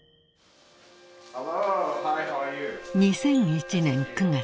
［２００１年９月］